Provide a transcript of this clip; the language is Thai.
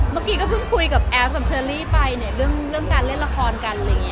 เมื่อกี้ก็พึ่งคุยกับแอฟซ์กับเชอร์รี่ไปเรื่องการเล่นละครกัน